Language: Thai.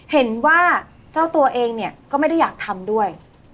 เห็นว่าเจ้าตัวเองเนี่ยก็ไม่ได้อยากทำด้วย